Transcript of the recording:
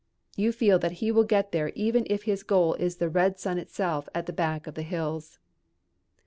You feel that he will get there even if his goal is the red sun itself at the back of the hills.